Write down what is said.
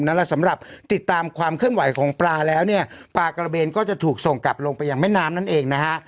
สำหรับติดตามความเคลื่อนไหวของปลาแล้วเนี่ยปลากระเบนก็จะถูกส่งกลับลงไปยังแม่น้ำนั่นเองนะฮะ